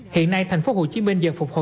hiện nay tp hcm dần phục hồi kinh doanh